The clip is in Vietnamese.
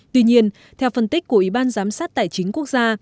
tuy nhiên theo phân tích của ủy ban giám sát tài chính quốc gia